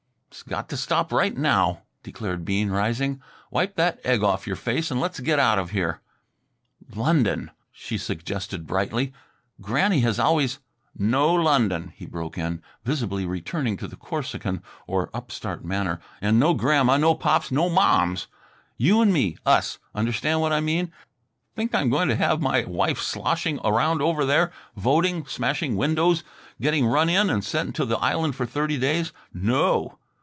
"'S got to stop right now," declared Bean, rising. "Wipe that egg off your face, and let's get out of here." "London," she suggested brightly. "Granny has always " "No London!" he broke in, visibly returning to the Corsican or upstart manner. "And no Grandma, no Pops, no Moms! You and me us understand what I mean? Think I'm going to have my wife sloshing around over there, voting, smashing windows, getting run in and sent to the island for thirty days. No!